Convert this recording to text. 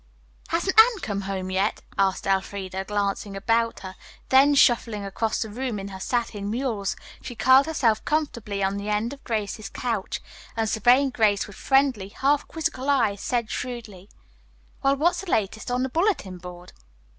"Hasn't Anne come home yet?" asked Elfreda, glancing about her, then, shuffling across the room in her satin mules, she curled herself comfortably on the end of Grace's couch, and, surveying Grace with friendly, half quizzical eyes, said shrewdly, "Well, what's the latest on the bulletin board?"